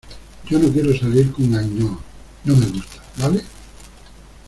yo no quiero salir con Ainhoa, no me gusta ,¿ vale?